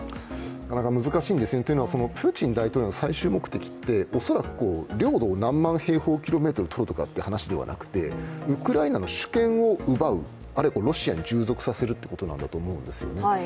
なかなか難しいんですね、プーチン大統領の最終目的って恐らく領土を何万平方キロメートルとるとかという話ではなくてウクライナの主権を奪う、あるいはロシアに従属させるってことだと思うんですよね。